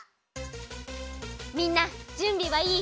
みんなじゅんびはいい？